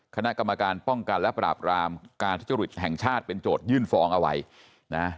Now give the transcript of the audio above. คณะกรรมการป้องกันและปราบรามการทุจริตแห่งชาติเป็นโจทยื่นฟ้องเอาไว้นะ